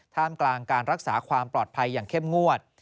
ท่ามกลางการรักษาความปลอดภัยอย่างเข้มงวด